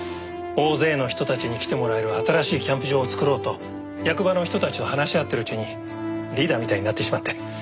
大勢の人たちに来てもらえる新しいキャンプ場を作ろうと役場の人たちと話し合ってるうちにリーダーみたいになってしまって。